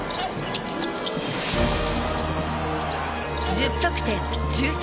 １０得点１３